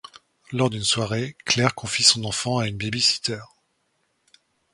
Lors d'une soirée, Claire confie son enfant à une baby-sitter.